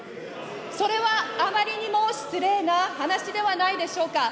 それはあまりにも失礼な話ではないでしょうか。